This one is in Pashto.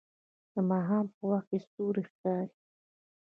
د ماښام په وخت ستوري ښکاري